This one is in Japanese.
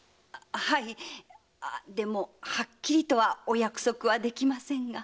はいでもはっきりとはお約束はできませんが。